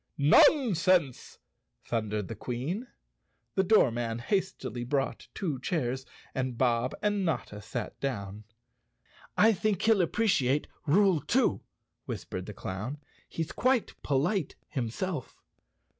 " "Nonsense!" thundered the Queen. The doormen hastily brought two chairs and Bob and Notta sat down. "I think he'll appreciate rule two," whispered the clown. "He's quite polite himself."